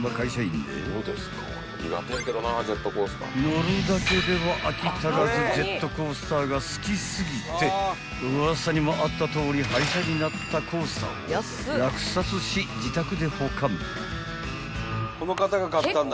［乗るだけでは飽き足らずジェットコースターが好き過ぎてウワサにもあったとおり廃車になったコースターを落札し自宅で保管］